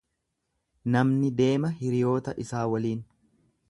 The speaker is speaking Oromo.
Namni deema hiriyoota isaa waliin.